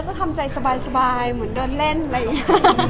ก็ทำใจสบายเหมือนเดินเล่นอะไรอย่างนี้